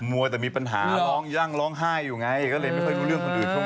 วัวแต่มีปัญหาร้องยั่งร้องไห้อยู่ไงก็เลยไม่ค่อยรู้เรื่องคนอื่นใช่ไหม